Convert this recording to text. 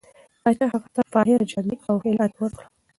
پاچا هغه ته فاخره جامې او خلعت ورکړ.